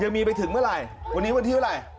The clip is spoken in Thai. ไปถึงเมื่อไหร่วันนี้วันที่เท่าไหร่